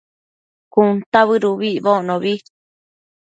cuntabëd ubi icbocno